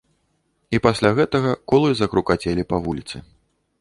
І пасля гэтага колы загрукацелі па вуліцы.